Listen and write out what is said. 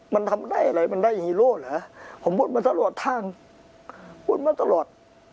มันทำได้อะไรมันได้ฮีโร่เหรอผมพูดมาตลอดทางพูดมาตลอด